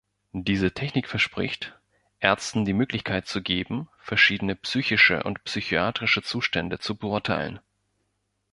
Diese Technik verspricht, Ärzten die Möglichkeit zu geben, verschiedene psychische und psychiatrische Zustände zu beurteilen.